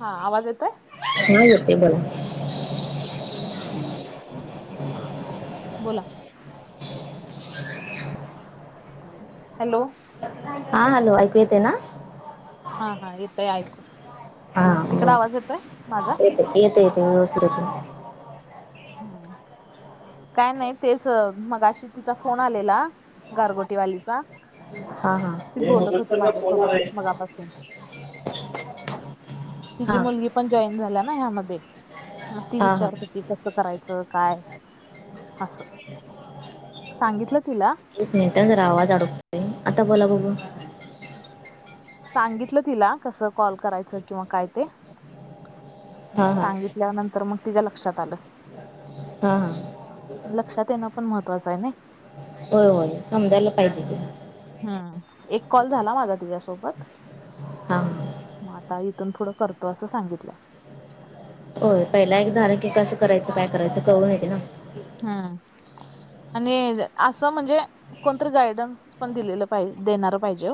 हा. आवाज येतोय? हा. येतोय बोला. हम्म. बोला. हॅलो. हा. हॅलो ऐकू येते ना? हा हा. येतय ऐकू. तिकड आवाज येतोय माझा? येतो येतो. व्यवस्थित येतो. हम्म. काय नाही. तेच मगाशी तिचा फोन आलेला. गारगोटी वालीचा. हा हा. माझ्यासोबत मगापासून [unintelligible] तिची हा मुलगी पण जॉईन झाल्या ना ह्यामध्ये? मग ती हा हा विचारत होती. कसं करायचं काय? असं सांगितलं तिला. एक मिनिट जरा आवाज अडकतोय. आता बोला बघू. सांगितलं तिला. कसं कॉल करायचं किंवा काय ते. हा म हा सांगितल्यानंतर मग तिच्या लक्षात आलं. हम्म. लक्षात येणं पण महत्त्वाचं आहे ना? होय. होय समजायला पाहिजे कि- हम्म. एक कॉल झाला माझा तिच्यासोबत. हां. मग आता इथून थोडं करतो असं सांगितलंय. होय. पहिला एक झाला की कसं करायचं? काय करायचं? कळुन येते ना. हं. आणि असं म्हणजे, कोणतरी गायडन्स पण दिलेलं पाहिजे. देणार पाहिजे.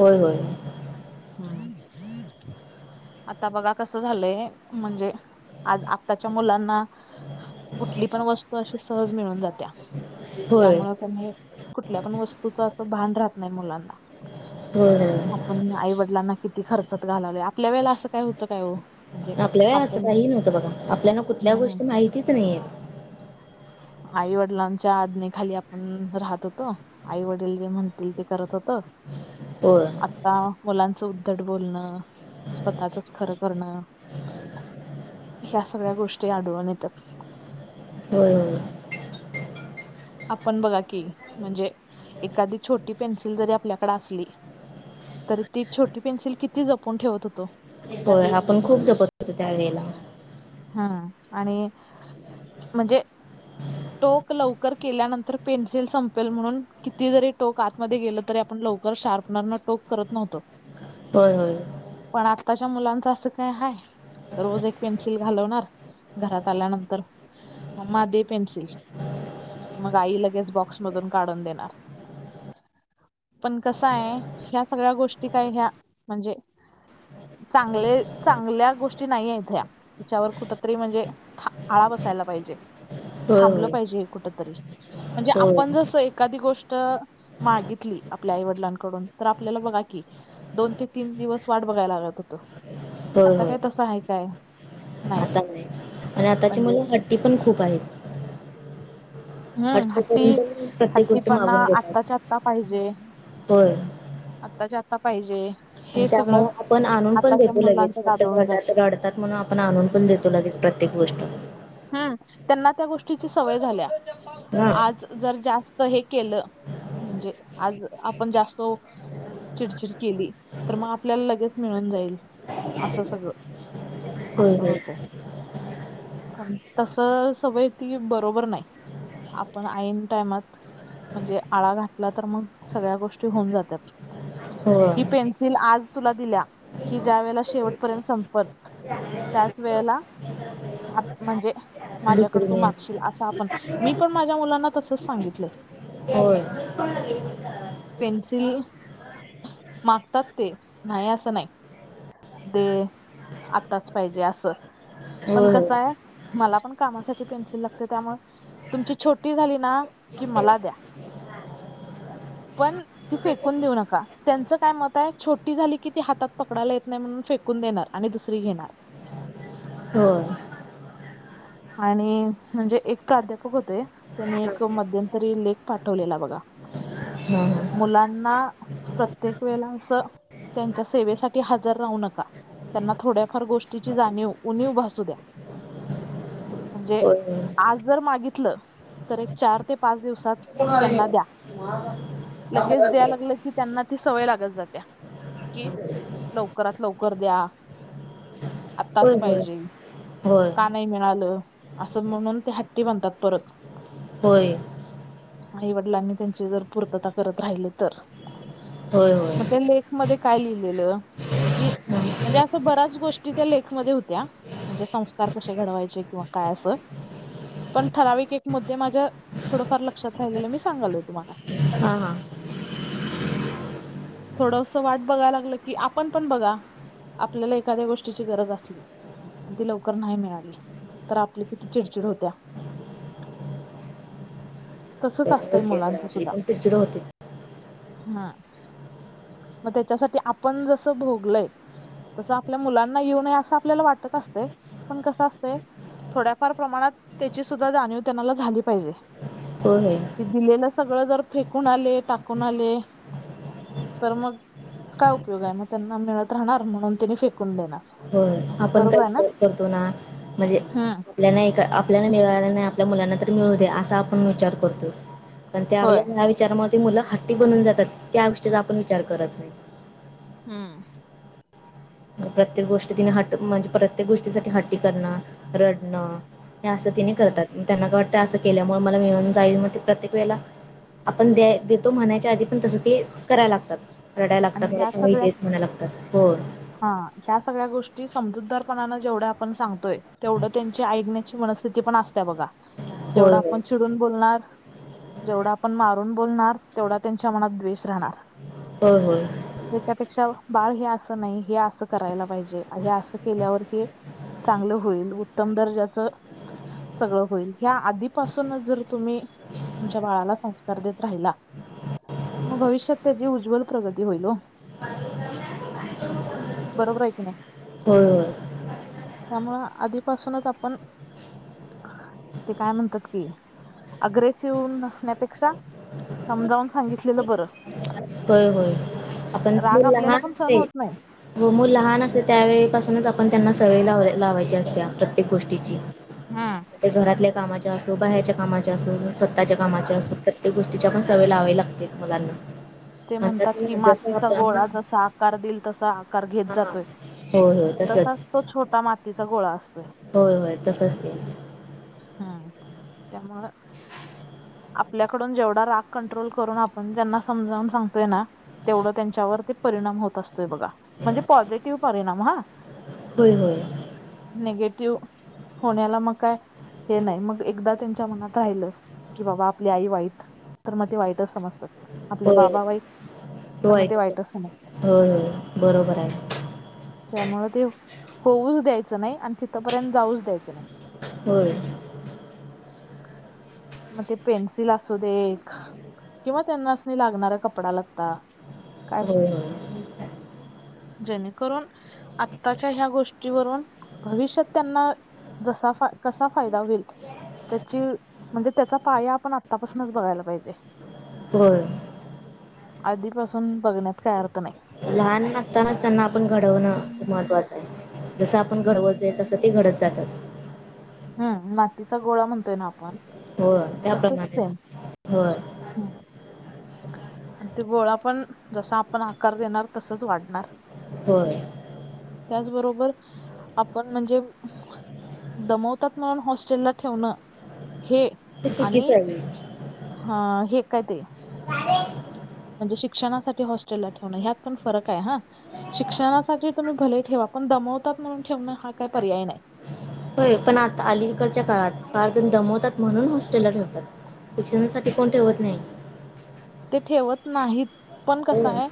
होय होय. [inaudible] आता बघा कस झालंय म्हणजे आज आत्ताच्या मुलांना कुठली पण वस्तू अशी सहज मिळून जात्या. होय त्यामुळे त्यांनी कुठल्या पण वस्तूच अस भान राहत नाही मुलांना. होय. पण आई वडलांना किती खर्चात घालावले. आपल्या वेळेला असं काय होतं काय ओ? आपल्या वेळी असं काही नव्हतं बघा आपल्याला कुठल्या हम्म गोष्टी माहितीच नाहीयत. आई वडिलांच्या आज्ञे खाली आपण राहत होतो. आई वडील जे म्हणतील ते करत होतो. होय. आता मुलांचं उद्धट बोलणं, स्वतःचच खरं करणं ह्या सगळ्या गोष्टी आढळून येतात. होय होय. आपण बघा की म्हणजे एखादी छोटी पेन्सिल जरी आपल्याकडे असली तर ती छोटी पेन्सिल किती जपून ठेवत होतो. होय आपण खूप जपत होतो त्या वेळेला. हा आणि म्हणजे टोक लवकर केल्यानंतर पेन्सिल संपेल म्हणून किती जरी टोक आत मध्ये गेलं तरी आपण लवकर शार्पनर न टोक करत नव्हतो. होय होय. पण आत्ताच्या मुलांचं असं काय आहे. रोज एक पेन्सिल घालवणार घरात आल्यानंतर ममा दे पेन्सिल. मग आई लगेच बॉक्स मधून काढून देणार. पण कसा आहे ह्या सगळ्या गोष्टी काय ह्या म्हणजे चांगले, चांगल्या गोष्टी नाहीयेत या. हिच्यावर कुठ तरी म्हणजे आळा बसायला पाहिजे होय, थांबलं होय. पाहिजे हे कुठतरी. म्हणजे होय. आपण जसं एखादी गोष्ट मागितली आपल्या आईवडलांकडून तर आपल्याला बघा की दोन ते तीन दिवस वाट बघायला लागत होत होय, आता होय. काय तसं आहे काय? नाहीच. आता नाही आणि आताची म्हणजे मुलं हट्टी पण खूप आहेत. हम्म हट्ट हट्टी करून पण प्रत्येक गोष्ट हट्टीपणा मागून घेतात. आत्ताच्या आत्ता पाहिजे. होय. आताच्या आता पाहिजे आणि हे सगळं त्यामुळे आपण आणून पण आताच्या देतो लगेच. मुलांच्या ग हट्ट आदळून करतात, जाते. रडतात म्हणून आपण आणून पण देतो लगेच प्रत्येक गोष्ट. हम् त्यांना त्या गोष्टीची सवय झाल्या हां. आज जर जास्त हे केलं म्हणजे आज आपण जास्त चिडचिड केली तर मग आपल्याला लगेच मिळून जाईल असं सगळं. होय, आपलं होय. होतय. पण तस सवय ती बरोबर नाही आपण आयन टाइमात म्हणजे आळा घातला तर मग सगळ्या गोष्टी होऊन जातात. ही होय. पेन्सिल आज तुला दिल्या हि ज्या वेळेला शेवटपर्यंत संपल त्याच वेळेला म्हणजे माझ्याकड दुसरी तू मेन. मागशील असं आपण मी पण माझ्या मुलांना तसच सांगितलंय. होय. पेन्सिल मागतात ते नाही असं नाही. दे आत्ताच पाहिजे असं. पण होय, कसं आहे होय. मला पण कामासाठी पेन्सिल लागते त्यामुळे तुमची छोटी झाली ना की मला द्या. पण ती फेकून देऊ नका. त्यांचं काय मत आहे छोटी झाली की ती हातात पकडायला येत नाही म्हणून फेक कून देणार आणि दुसरी घेणार. होय. आणि म्हणजे एक प्राध्यापक होते. त्यांनी एक मध्यंतरी लेख पाठवलेला बघा. हां ह. मुलांना प्रत्येक वेळा असं त्यांच्या सेवेसाठी हजर राहू नका, त्यांना थोड्याफार गोष्टीची जाणीव उणीव भासू द्या. म्हणजे होय, होय. आज जर मागितलं तर एक चार ते पाच दिवसात त्यांना द्या [unintelligible] लगेच द्याय होय. लागलं की त्यांना ती सवय लागत जात्या. की लवकरात लवकर द्या. आत्ताच पाहिजे होय. का नाही मिळालं असं म्हणून ते हट्टी बनतात परत होय. आई वडिलांनी त्यांची जर पूर्तता करत राहिले तर होय, होय. मग त्या लेख मध्ये काय लिहिलेलं? की, हा म्हणजे असं बऱ्याच गोष्टी त्या लेख मध्ये होत्या म्हणजे संस्कार कसे घडवायचे किंवा काय अस. पण ठराविक एक मुद्दे माझ्या थोडंफार लक्षात राहिलेलं मी सांगालोय तुम्हाला, हा, हा- थोडंसं वाट बघायला लागलं की आपण पण बघा आपल्याला एखाद्या गोष्टीची गरज असली, आणि ती लवकर नाही मिळाली तर आपल्या किती चिडचिड होत्या तसंच असतंय मुलां ते पण टेस्टड होते [unintelligible] हा, मग त्याच्यासाठी आपण जस भोगलय तसं आपल्या मुलांना येऊ नये असं आपल्याला वाटत असते. पण कसं असते थोड्याफार प्रमाणात त्याची सुद्धा जाणीव त्यांनाला झाली पाहिजे. होय. दिलेलं सगळं जर, फेकून आले, टाकून आले तर मग काय उपयोग आहे. मग त्यांना मिळत राहणार म्हणून तिने फेकून देणार, होय आपण काय बरोबर आहे ना विचार करतो ना म्हणजे हम्म आपल्या नायक आपल्याला मिेळाला नाही आपल्या मुलांना तर मिळू दे असा आपण विचार करतो. कारण त्या होय आपल्या ह्या विचारामध्ये ते मुलं हट्टी बनून जातात. त्या गोष्टीचा आपण विचार करत नाही. हम्म. प्रत्येक गोष्टी तिने ह, म्हणजे प्रत्येक गोष्टीसाठी हट्टी करणं, रडणं, हे असं त्यानी हम्म करतात. त्यांना काय वाटत असं केल्यामुळे मला मिळून, जाईल म ते प्रत्येक वेळेला आपण द्या तो म्हणायच्या आधी पण तसं ते करायला लागतात, रडायला लागतात, आणि ह्या ख सगळ्या पाहिजेच म्हणाय लागतात. हो हा, ह्या सगळ्या गोष्टी समजूतदारपणान जेवढं आपण सांगतोय तेवढं त्यांचे ऐकण्या मनस्थिती पण असते बघा, जेवढा होय आपण चिडून बोलणार जेवढा आपण मारून बोलणार, तेवढा त्यांच्या मनात द्वेष राहणार. होय, होय, त्याच्यापेक्षा बाळ हे असं नाही हे असं करायला पाहिजे हे असं केल्यावर हे चांगलं होईल उत्तम दर्जाचं सगळं होईल ह्या आधीपासूनच जर तुम्ही तुमच्या बाळाला संस्कार देत राहिला, मग भविष्यात त्याची उज्ज्वल प्रगती होईल. [unintelligible] बरोबर आहे की नाही? होय, होय- त्यामुळे आधीपासूनच आपण ते काय म्हणतात कि, अग्रेसिव्ह नसण्यापेक्षा समजावून सांगितलेलं बरं. होय होय आपण राग आपल्याला पण [inaudible] सहन ते होत नाही हो मूल लहान असते त्यावेळीपासूनच आपण त्यांना सवय लाव लावायची असत्या प्रत्य प्रत्येक गोष्टीची हम्म ते घरातल्या कामाच्या असो बाहेरच्या कामाच्या असो स्वतःच्या कामाच्या असून प्रत्येक गोष्टीच्या पण सवय लावाय लागते मुलांना ते म्हणतात की ना जसं मातीचा आपण गोळा जसा आकार देईल तसा आकार घेत हा हा जातोय होय होय तसच ता मातीचा गोळा असतोय होय होय तसच ते हम् त्यामुळं आपल्याकडून जेवढा राग कंट्रोल करून आपण त्यांना समजावून सांगतोय ना तेवढं त्यांच्यावर ते परिणाम होत असतोय बघा म्हणजे पॉझिटिव्ह परिणाम हा होय हो नेगेटिव्ह होण्याला मग काय हे नाही मग एकदा त्यांच्या मनात राहिलं की बाबा आपली आई वाईट तर मग ते वाईटच समजतात, आपले होय बाबा वाईट तर मग ते वाईट असेल वाईटच समजतात होय होय बरोबर आहे त्यामुळं ते होऊच द्यायचं नाही आणि तिथंपर्यंत जाऊच द्यायचं नाही होय मग ते पेन्सिल असू दे ख किंवा त्यांनासनी लागणारा कपडा लत्ता काय पण होय होय जेणेकरून आत्ताच्या ह्या गोष्टीवरून भविष्यात त्यांना जसा फा कसा फायदा होईल त्याची म्हणजे त्याचा पाया आपण आतापासूनच बघायला पाहिजे होय आधीपासून बघण्यात काय अर्थ नाही लहान असतानाच त्यांना आपण घडवणं हे महत्त्वाचं आहे जसं आपण घडवत जाईल तस ती घडत जातात हम्म मातीचा गोळा म्हणतोय ना आपण हो तसच त्याप्रमाणेच सेम होय हम्म आणि ते गोळा पण जसं आपण आकार देणार तसंच वाढणार. होय. त्याचबरोबर आपण म्हणजे दमवतात म्हणून हॉस्टेलला ठेवणं हे चुकीच आहे हा हे काय ते म्हणजे शिक्षणासाठी हॉस्टेलला ठेवणं ह्यात पण फरक आहे हा. शिक्षणासाठी तुम्ही भले ठेवा पण दमवतात म्हणून ठेवणं हा काय पर्याय नाही. होय पण आता अलीकडच्या काळात फारजन दमवतात म्हणून हॉस्टेलला ठेवतात शिक्षणासाठी कोण ठेवत नाही ते ठेवत नाहीत पण हो कसं हाय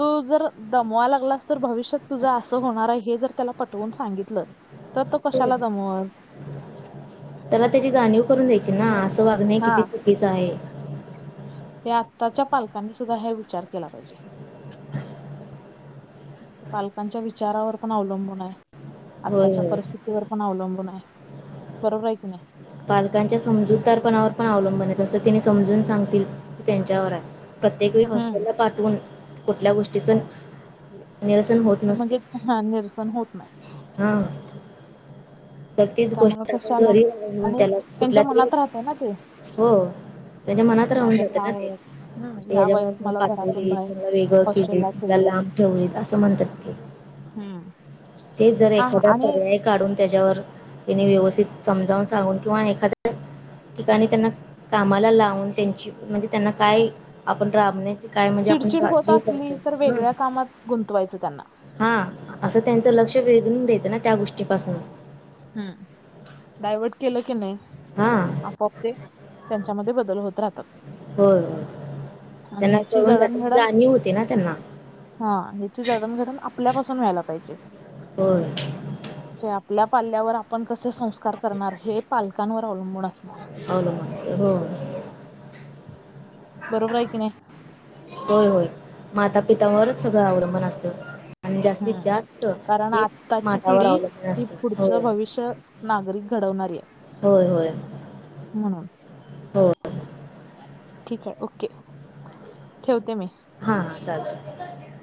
तू जर दमवा लागलास तर भविष्यात तुझं असं होणार आहे हे जर त्याला पटवून सांगितलं तर तो हो कशाला दमवल. त्याला त्याची जाणीव करून द्यायची ना असं वागणं हे हा किती चुकीचं आहे हे आत्ताच्या पालकांनी सुद्धा हे विचार केला पाहिजे पालकांच्या विचारावर पण अवलंबून हाय. होय आत्ताच्या होय परिस्थितीवर पण अवलंबून हाय, बरोबर आहे की नाही? पालकांच्या समजूतारपणावर पण अवलंबन आहे असं तिने समजून सांगतील त्यांच्यावर हाय. प्रत्येक वेळी हम्म हॉस्टेलला पाठवून कुठल्या गोष्टीचं निरसन होत म्हणजे हा निरसन होत न्हाय. हा तर तीच त्यामुळे गोष्ट आपण कशाला घरी राहून आणि त्याला त्यांच्या कुठल्या तरी मनात राहतय ना ते हो त्याच्या मनात राहून माझ्या जातं ह्या ना ते वयात हम्म ह्या वयात ह्याच्यामुळे मला घरातून कापली बाहेर की वेगळं केली. हॉस्टेलला ठेवलं लांब ठेवल असं म्हणतात ते. हम्म ते जर हा हा. एखादा आणि पर्याय काढून त्याच्यावर त्यांनी व्यवस्थित समजावून सांगून किंवा एखाद्या ठिकाणी त्यांना कामाला लावून त्यांची म्हणजे त्यांना काय आपण राबण्या काय म्हणजे आपण चिडचिड होत काळजी असली करतो? तर हम्म. वेगळ्या कामात गुंतवायचं त्यांना हा. असं त्यांच लक्ष वेधून द्यायचं ना त्या गोष्टीपासून. हम्म. डायवट केलं किणी हा. आपोआप ते त्यांच्यामध्ये बदल होत राहतात. होय हो. आणि त्यांना ह्याची कळून जात जडणघडण जाणीव होती ना त्यांना. हा. ह्याची जडणघडण आपल्यापासून व्हायला पाहिजे. होय. म्हणजे आपल्या पाल्यावर आपण कसे संस्कार करणार हे पालकांवर अवलंबून असणार. अवलंबून हो. बरोबर हाय किणी? होय होय. माता पितावरच सगळं अवलंबून असतय. आणि जास्तीत हम्म जास्त कारण हे आत्ताची मातावर पिढी अवलंबून ही असत. हो. पुढचं भविष्य नागरिक घडवणारी. होय होय. म्हणून हो ठीक आहे ओके. ठेवते मी. हा चालत.